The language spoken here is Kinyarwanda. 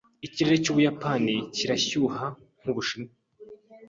Ikirere cy’Ubuyapani kirashyuha nk’Ubushinwa.